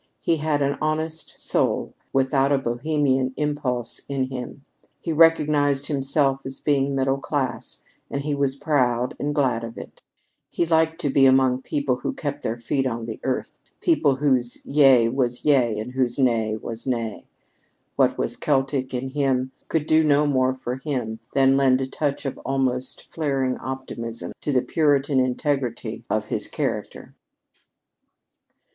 He had an honest soul without a bohemian impulse in him. He recognized himself as being middle class, and he was proud and glad of it. He liked to be among people who kept their feet on the earth people whose yea was yea and whose nay was nay. What was Celtic in him could do no more for him than lend a touch of almost flaring optimism to the Puritan integrity of his character.